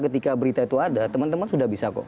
ketika berita itu ada teman teman sudah bisa kok